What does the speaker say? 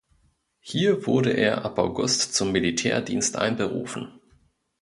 Hier wurde er ab August zum Militärdienst einberufen.